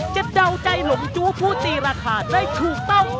เดาใจหลงจู้ผู้ตีราคาได้ถูกต้อง